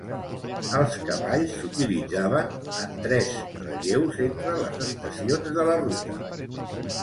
Els cavalls s'utilitzaven en tres relleus entre les estacions de la ruta.